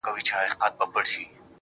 ما په اول ځل هم چنداني گټه ونه کړه.